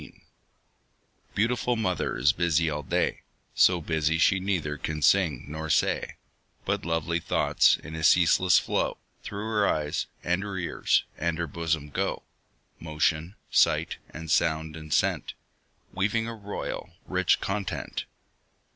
_ Beautiful mother is busy all day, So busy she neither can sing nor say; But lovely thoughts, in a ceaseless flow, Through her eyes, and her ears, and her bosom go Motion, sight, and sound, and scent, Weaving a royal, rich content.